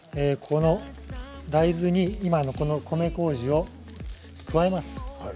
この大豆に、今の米こうじを加えます。